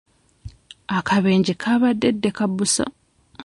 Akabenje kaabadde ddeka busa.